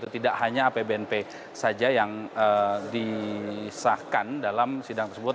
tidak hanya apbnp saja yang disahkan dalam sidang tersebut